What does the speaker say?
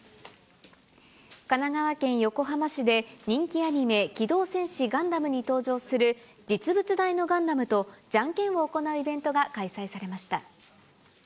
神奈川県横浜市で、人気アニメ、機動戦士ガンダムに登場する実物大のガンダムとじゃんけんを行うイベントが開催されました。